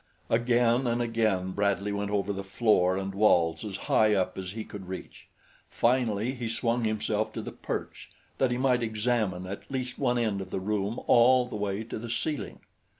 Again and again Bradley went over the floor and walls as high up as he could reach. Finally he swung himself to the perch, that he might examine at least one end of the room all the way to the ceiling.